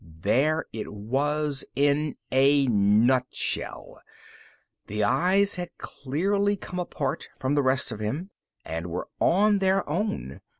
_ There it was in a nutshell. The eyes had clearly come apart from the rest of him and were on their own.